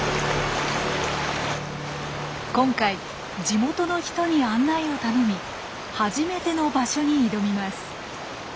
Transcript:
今回地元の人に案内を頼み初めての場所に挑みます。